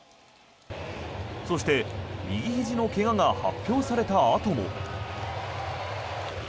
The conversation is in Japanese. そして、右ひじの怪我が発表されたあとも。